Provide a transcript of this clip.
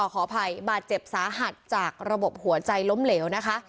ขออภัยบาดเจ็บสาหัสจากระบบหัวใจล้มเหลวนะคะ